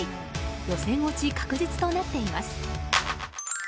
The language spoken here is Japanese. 予選落ち確実となっています。